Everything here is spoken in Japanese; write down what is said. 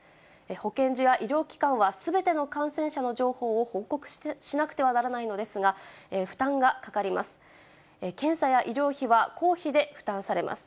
保健所や医療機関は、すべての感染者の情報を報告しなくてはならないのですが、負担がかかります。